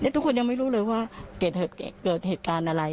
ทุกคนยังไม่รู้เลยว่าเกิดเหตุการณ์อะไร